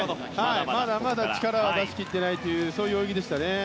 まだまだ力を出し切ってないというそういう泳ぎでしたね。